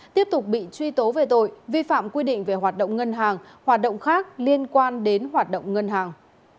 tiếp tục bị truy tố về tội vi phạm quy định về hoạt động ngân hàng hoạt động khác liên quan đến hoạt động ngân hàng